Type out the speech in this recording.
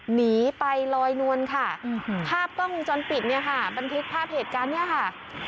หนีไปลอยนวลค่ะภาพกล้องวงจรปิดเนี่ยค่ะบันทึกภาพเหตุการณ์เนี่ยค่ะ